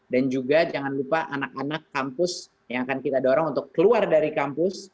dan juga jangan lupa anak anak kampus yang akan kita dorong untuk keluar dari kampus